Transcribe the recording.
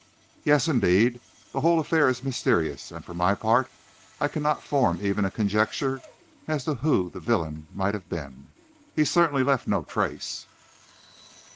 "Yes, indeed. The whole affair is mysterious, and, for my part, I cannot form even a conjecture as to who the villain might have been. He certainly left no trace."